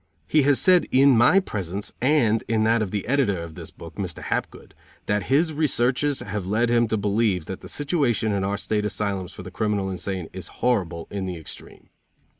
He has said in my presence and in that of the editor of this book, Mr. Hapgood, that his researches have led him to believe that the situation in our state asylums for the criminal insane is horrible in the extreme.